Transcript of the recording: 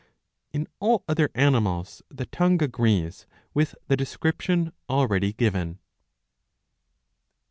*' In all other animals the tongue agrees with the description already given.